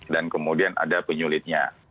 dan kemudian ada penyulitnya